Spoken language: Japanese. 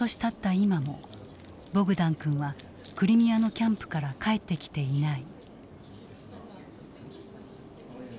今もボグダン君はクリミアのキャンプから帰ってきていない。